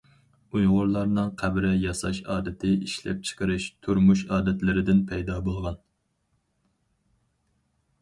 ئۇيغۇرلارنىڭ قەبرە ياساش ئادىتى ئىشلەپچىقىرىش، تۇرمۇش ئادەتلىرىدىن پەيدا بولغان.